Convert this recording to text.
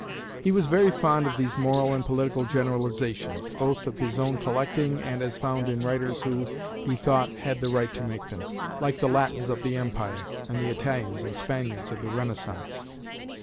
He was very fond of these moral and political generalisations, both of his own collecting and as found in writers who, he thought, had the right to make them, like the Latins of the Empire and the Italians and Spaniards of the Renaissance.